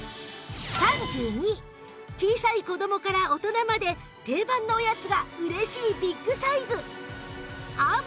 ３２位小さい子供から大人まで定番のおやつが嬉しいビッグサイズ